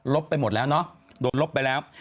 ไปหมดแล้วเนาะโดนลบไปแล้ว